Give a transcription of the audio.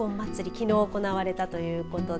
きのう行われたということで。